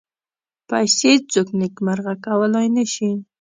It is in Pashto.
پیسې څوک نېکمرغه کولای نه شي.